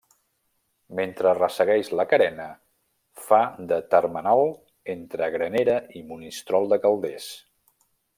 Mentre ressegueix la carena, fa de termenal entre Granera i Monistrol de Calders.